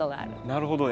なるほど。